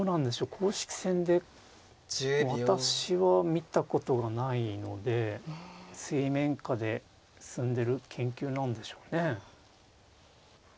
公式戦で私は見たことがないので水面下で進んでる研究なんでしょうね。